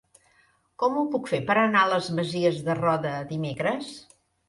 Com ho puc fer per anar a les Masies de Roda dimecres?